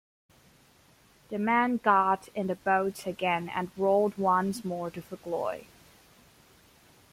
The men got in the boats again and rowed once more to Fugloy.